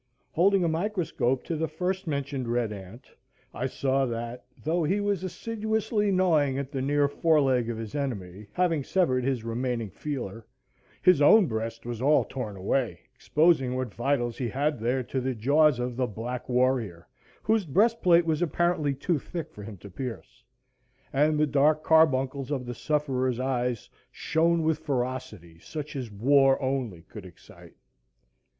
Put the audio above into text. Holding a microscope to the first mentioned red ant, I saw that, though he was assiduously gnawing at the near fore leg of his enemy, having severed his remaining feeler, his own breast was all torn away, exposing what vitals he had there to the jaws of the black warrior, whose breastplate was apparently too thick for him to pierce; and the dark carbuncles of the sufferer's eyes shone with ferocity such as war only could excite.